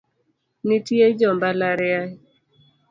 Nitie jo mbalariany